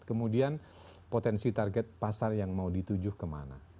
kemudian potensi target pasar yang mau dituju kemana